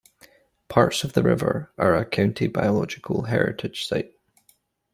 Parts of the river are a County Biological Heritage Site.